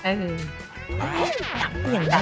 เลยหักเปียงแล้ว